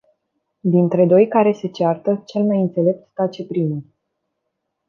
Dintre doi care se ceartă, cel mai înțelept tace primul.